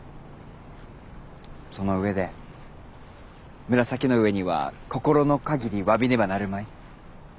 その上で紫の上には心のかぎり詫びねばなるまい。